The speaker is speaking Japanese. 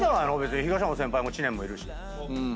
東山先輩も知念もいるし。